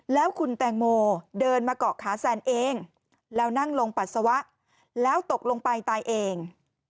แล้วคุณแตงโมเดินมาเกาะขาแซนเองแล้วนั่งลงปัสสาวะแล้วตกลงไปตายเอง